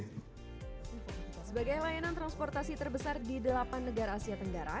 sebagai layanan transportasi terbesar di delapan negara asia tenggara